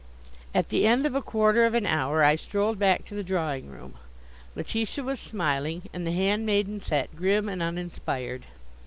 At the end of a quarter of an hour I strolled back to the drawing room. Letitia was smiling and the hand maiden sat grim and uninspired.